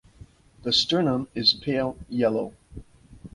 The sternum is pale yellow.